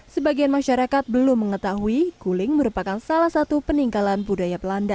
sebagian masyarakat belum mengetahui guling merupakan salah satu peninggalan budaya belanda